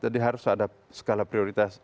jadi harus ada skala prioritas